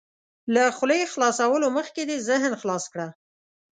له خولې خلاصولو مخکې دې ذهن خلاص کړه.